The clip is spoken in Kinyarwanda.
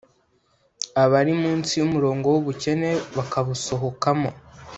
abari mu nsi y’umurongo w’ubukene bakabusohokamo